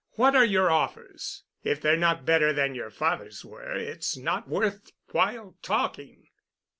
What are your offers? If they're not better than your father's were, it's not worth while talking."